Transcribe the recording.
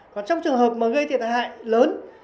còn trong trường hợp mà gây thiệt hại lớn